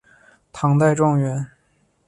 唐代状元。